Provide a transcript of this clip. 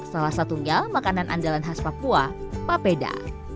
salah satunya makanan andalan khas papua papeda